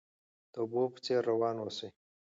د اوبو په څیر روان اوسئ.